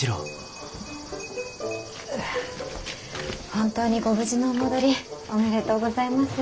本当にご無事のお戻りおめでとうございます。